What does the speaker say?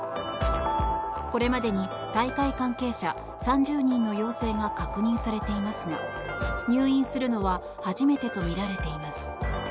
これまでに大会関係者３０人の陽性が確認されていますが入院するのは初めてとみられています。